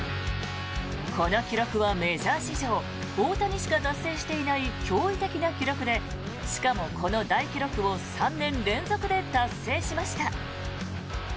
この記録はメジャー史上大谷しか達成していない驚異的な記録でしかも、この大記録を３年連続で達成しました。